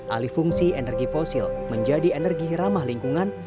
alifungsi energi fosil menjadi energi ramah lingkungan